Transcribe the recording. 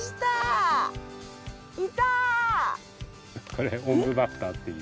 これオンブバッタっていう。